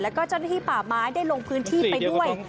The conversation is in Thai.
แล้วก็เจ้าหน้าที่ป่าไม้ได้ลงพื้นที่ไปด้วย